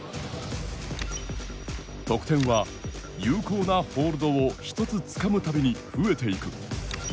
得点は有効なホールドを１つつかむたびに増えていく。